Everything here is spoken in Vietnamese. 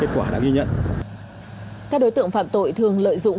các đối tượng phạm tội thường lợi dụng